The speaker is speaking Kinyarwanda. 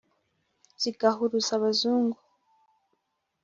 zigahuruza abazungu,